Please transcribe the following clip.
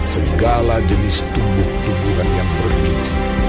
segala jenis tumbuh tumbuhan yang bergis